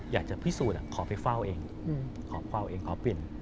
อยากจะพิสูจน์ขอไปเฝ้าเองขอเปลี่ยน